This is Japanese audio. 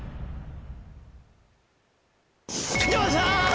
よっしゃ！